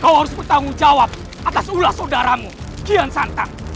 kau harus bertanggung jawab atas ulah saudaramu kian santan